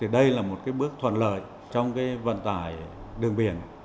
đây là một bước thuận lợi trong vận tải đường biển